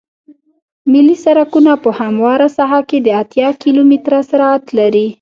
ملي سرکونه په همواره ساحه کې د اتیا کیلومتره سرعت لري